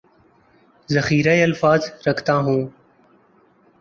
ذخیرہ الفاظ رکھتا ہوں